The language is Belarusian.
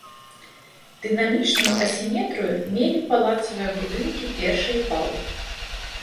Дынамічную асіметрыю мелі палацавыя будынкі першай пал.